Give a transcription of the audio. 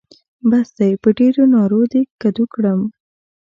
بس دی؛ په ډېرو نارو دې کدو کړم.